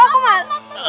kok aku gak